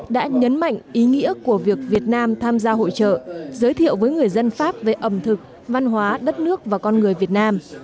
đã nhấn mạnh ý nghĩa của việc việt nam tham gia hội trợ giới thiệu với người dân pháp về ẩm thực văn hóa đất nước và con người việt nam